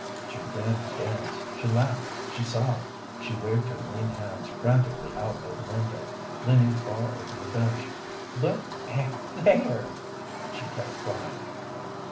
_" She began to dance, she laughed, she sobbed, she waved her lean hands frantically out of the window, leaning far over the bench. "Look at there!" she kept crying.